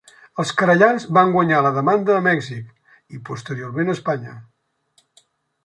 Els querellants van guanyar la demanda a Mèxic, i posteriorment a Espanya.